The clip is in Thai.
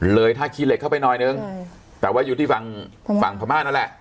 ท่าขี้เหล็กเข้าไปหน่อยนึงแต่ว่าอยู่ที่ฝั่งฝั่งพม่านั่นแหละ